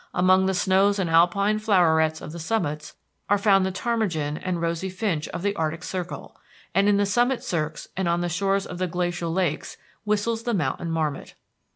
Among the snows and alpine flowerets of the summits are found the ptarmigan and rosy finch of the Arctic circle, and in the summit cirques and on the shores of the glacial lakes whistles the mountain marmot.